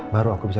baru aku bisa